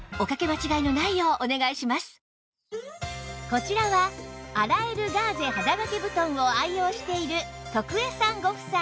こちらは洗えるガーゼ肌掛け布団を愛用している徳江さんご夫妻